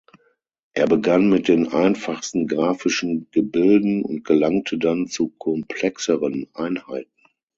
Er begann mit den einfachsten graphischen Gebilden und gelangte dann zu komplexeren Einheiten.